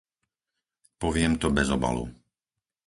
Poviem to bez obalu.